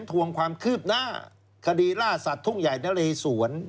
ทวงความคืบหน้าคดีล่าสัตว์ทุ่งใหญ่นะเลสวน